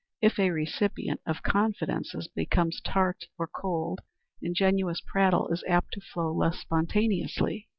If a recipient of confidences becomes tart or cold, ingenuous prattle is apt to flow less spontaneously.